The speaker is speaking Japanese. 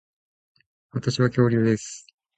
私は恐竜です